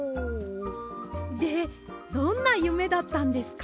でどんなゆめだったんですか？